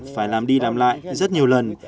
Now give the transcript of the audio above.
phải làm đi làm lại rất nhiều lần